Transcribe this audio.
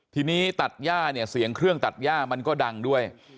ทีนี้ตัดย่าเนี่ยเสียงเครื่องตัดย่ามันก็ดังด้วย